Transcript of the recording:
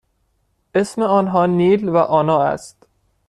اسم آنها نیل و آنا است.